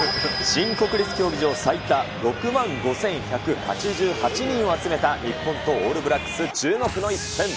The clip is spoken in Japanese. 新国立競技場最多６万５１８８人を集めた日本とオールブラックス注目の一戦。